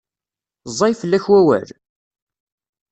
Ẓẓay fell-ak wawal?